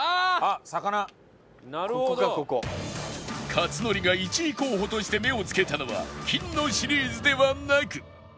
克典が１位候補として目をつけたのは金のシリーズではなく